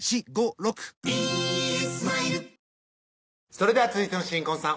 それでは続いての新婚さん